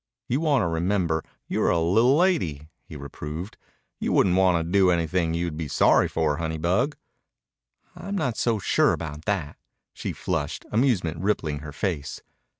"You wanta remember you're a li'l lady," he reproved. "You wouldn't want to do anything you'd be sorry for, honeybug." "I'm not so sure about that," she flushed, amusement rippling her face.